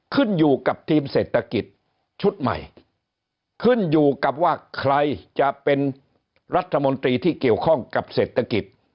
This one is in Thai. ขึ้นอยู่กับทีมเศรษฐกิจชุดใหม่ขึ้นอยู่กับว่าใครจะเป็นรัฐมนตรีที่เกี่ยวข้องกับเศรษฐกิจ